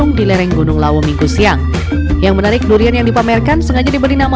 pedagang durian mengaku senang dengan bazar ini jadinya bisa mengenalkan reka jenis durian lokal